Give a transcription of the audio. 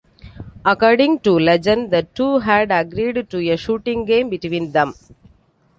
According to legend the two had agreed to a shooting game between them.